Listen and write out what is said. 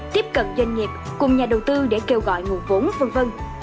tiếp cận doanh nghiệp cùng nhà đầu tư để kêu gọi nguồn vốn v v